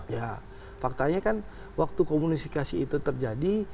ya faktanya kan waktu komunikasi itu terjadi